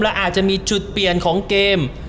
และอาจจะมีจุดเปลี่ยนของเกม